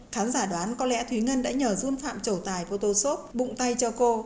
khán giả đoán có lẽ thúy ngân đã nhờ dung phạm trổ tài photoshop bụng tay cho cô